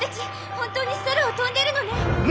本当に空を飛んでるのね。